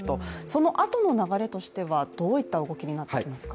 そのあとの流れとしてはどういった動きになっていきますか？